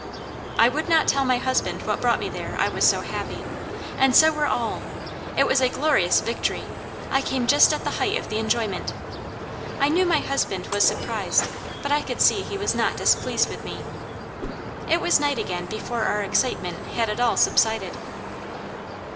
"I would not tell my husband what brought me there I was so happy; and so were all! It was a glorious victory; I came just at the height of the enjoyment. I knew my husband was surprised, but I could see he was not displeased with me. It was night again before our excitement had at all subsided.